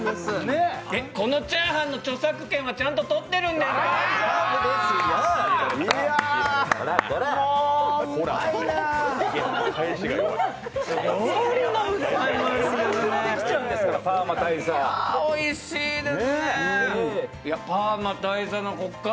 えっ、このチャーハンの著作権はちゃんと取ってるんですか？